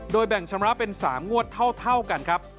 แบ่งชำระเป็น๓งวดเท่ากันครับ